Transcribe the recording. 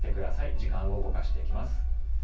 時間を動かしていきます。